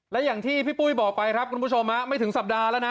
และอย่างที่พี่ปุ้ยบอกไปครับคุณผู้ชมไม่ถึงสัปดาห์แล้วนะ